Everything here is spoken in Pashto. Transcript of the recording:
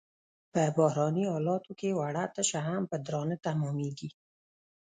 په بحراني حالاتو کې وړه تشه هم په درانه تمامېږي.